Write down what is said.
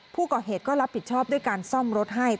ผู้ก่อเหตุก็รับผิดชอบด้วยการซ่อมรถให้